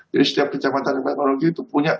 jadi setiap kejamatan di wonogim itu punya